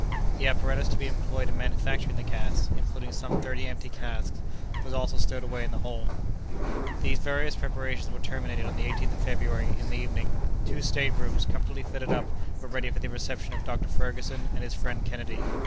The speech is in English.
The apparatus to be employed in manufacturing the gas, including some thirty empty casks, was also stowed away in the hold. These various preparations were terminated on the 18th of February, in the evening. Two state rooms, comfortably fitted up, were ready for the reception of Dr. Ferguson and his friend Kennedy.